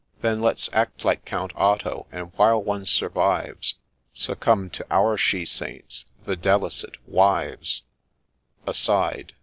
Then let 's act like Count Otto, and while one survives, Succumb to our She Saints — videlicet wives ! (Aside.)